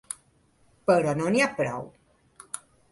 Però no n’hi ha prou.